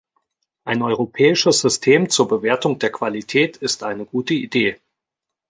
Ein europäisches System zur Bewertung der Qualität ist eine gute Idee.